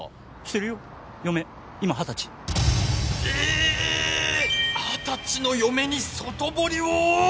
二十歳の嫁に外堀を！？